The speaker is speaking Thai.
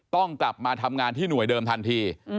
ต้องกลับมาทำงานที่หน่วยเดิมทันที